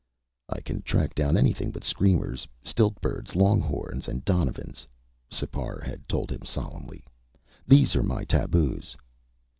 "I can track down anything but screamers, stilt birds, longhorns and donovans," Sipar had told him solemnly. "These are my taboos."